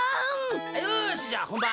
よしじゃあほんばん。